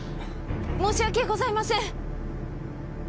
申し訳ございません！